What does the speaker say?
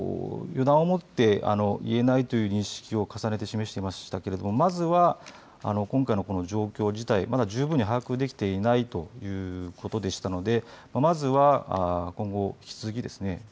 予断を持っていれないという認識を重ねて示していましたけれどもまずは、今回の状況自体まだ十分に把握できていないということでしたのでまずは今後、引き続きですね